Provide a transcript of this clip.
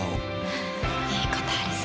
はぁいいことありそう。